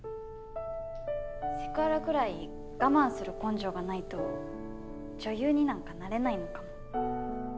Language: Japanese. セクハラぐらい我慢する根性がないと女優になんかなれないのかも。